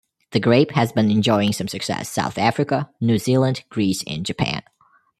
The grape has been enjoying some success South Africa, New Zealand, Greece and Japan.